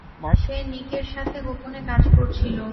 সে নিকের সাথে গোপনে কাজ করছিল।